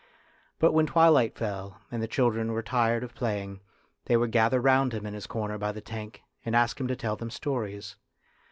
But when twilight fell and the children were tired of playing, they would gather round him in his corner by the tank and ask him to tell them stories.